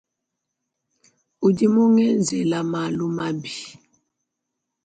Udi mungenzela malumabi.